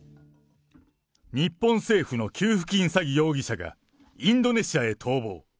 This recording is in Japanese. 日本政府の給付金詐欺容疑者がインドネシアへ逃亡。